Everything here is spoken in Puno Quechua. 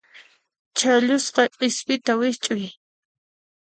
Chhallusqa qispita wikch'uy.